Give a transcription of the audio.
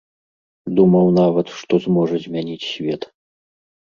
Думаў нават, што зможа змяніць свет.